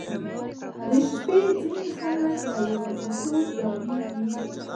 • د شپې ځینې خلک له یوازیتوبه ډاریږي.